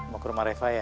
mau ke rumah reva ya